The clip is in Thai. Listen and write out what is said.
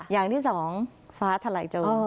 อย่างที่สองฟ้าถลายโจร